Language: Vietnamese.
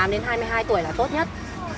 một mươi tám đến hai mươi hai tuổi là tốt nhất